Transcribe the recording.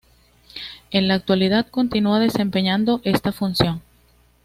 En la actualidad continúa desempeñando esta función.